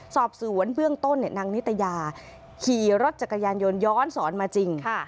สอบสวนเบื้องต้นนางนิตยาขี่รถจักรยานยนต์ย้อนสอนมาจริง